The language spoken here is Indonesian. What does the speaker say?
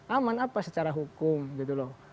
aman apa secara hukum gitu loh